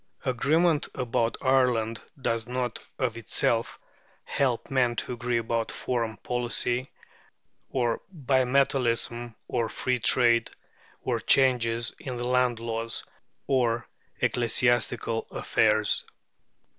Agreement about Ireland does not, of itself, help men to agree about foreign policy, or bimetallism, or free trade, or changes in land laws, or ecclesiastical affairs.